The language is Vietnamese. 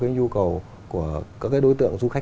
nhu cầu của các đối tượng du khách